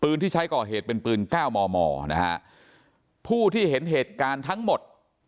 ที่ใช้ก่อเหตุเป็นปืนเก้ามอมอนะฮะผู้ที่เห็นเหตุการณ์ทั้งหมด